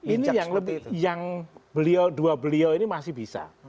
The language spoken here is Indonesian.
ini yang lebih yang beliau dua beliau ini masih bisa